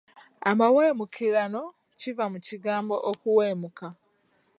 Amawemukirano kiva mu kigambo okuweemuka.